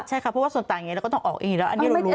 ใช่ค่ะเพราะว่าส่วนต่างี้เราก็ต้องออกอีกแล้ว